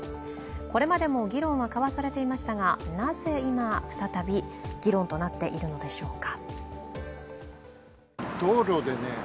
これまでも議論は交わされていましたが、なぜ今、再び議論となっているのでしょうか。